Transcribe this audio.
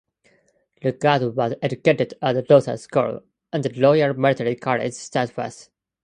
Lugard was educated at Rossall School and the Royal Military College, Sandhurst.